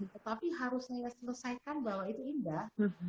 tetapi harus saya selesaikan bahwa itu indah